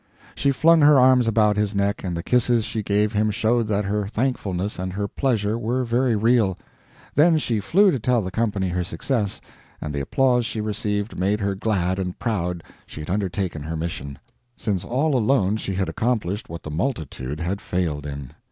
She flung her arms about his neck, and the kisses she gave him showed that her thankfulness and her pleasure were very real. Then she flew to tell the company her success, and the applause she received made her glad and proud she had undertaken her mission, since all alone she had accomplished what the multitude had failed in.